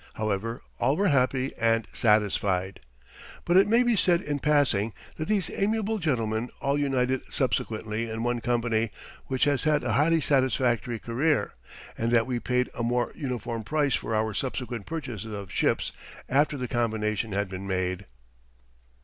However, all were happy and satisfied. But it may be said in passing that these amiable gentlemen all united subsequently in one company, which has had a highly satisfactory career, and that we paid a more uniform price for our subsequent purchases of ships after the combination had been made.